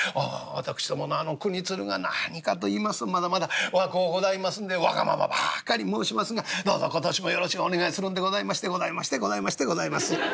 私どものあの国鶴が何かといいますとまだまだ若うございますんでわがままばっかり申しますがどうぞ今年もよろしくお願いするんでございましてございましてございましてございます」。